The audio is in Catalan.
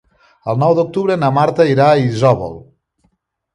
El nou d'octubre na Marta irà a Isòvol.